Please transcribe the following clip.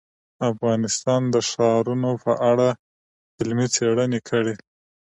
افغانستان د ښارونه په اړه علمي څېړنې لري.